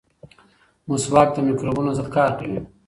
مسواک د مکروبونو ضد کار کوي.